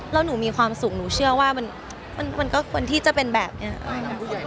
แล้วหนูมีความสุขหนูเชื่อว่ามันก็ควรที่จะเป็นแบบนี้